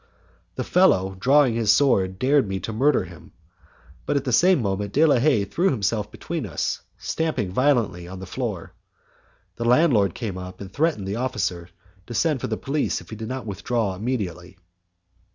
The fellow, drawing his sword, dared me to murder him, but at the same moment De la Haye threw himself between us, stamping violently on the floor. The landlord came up, and threatened the officer to send for the police if he did not withdraw immediately.